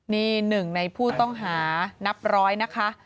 นี่หนึ่งในผู้ต้องหานับร้อยนะคะ